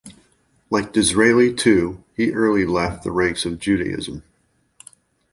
Like Disraeli, too, he early left the ranks of Judaism.